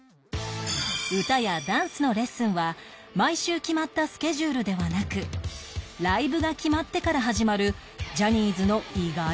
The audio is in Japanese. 歌やダンスのレッスンは毎週決まったスケジュールではなくライブが決まってから始まるジャニーズの意外なルール